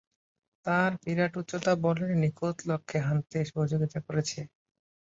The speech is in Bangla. তার বিরাট উচ্চতা বলের নিখুঁত লক্ষ্যে হানতে সহযোগিতা করেছে।